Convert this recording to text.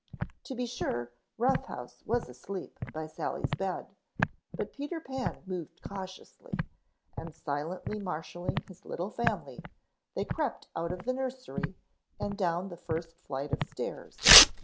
To be sure, Rough House was asleep by Sally's bed, but Peter Pan moved cautiously, and silently marshalling his little family they crept out of the nursery and down the first flight of stairs.